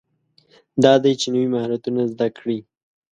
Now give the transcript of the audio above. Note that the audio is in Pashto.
دا دی چې نوي مهارتونه زده کړئ.